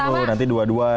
iya kan pertama nanti dua dua